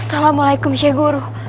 assalamualaikum syekh guru